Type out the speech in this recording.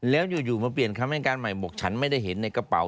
แล้วอยู่มาเปลี่ยนคำให้การใหม่บอกฉันไม่ได้เห็นในกระเป๋า